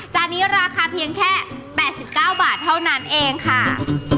นี้ราคาเพียงแค่๘๙บาทเท่านั้นเองค่ะ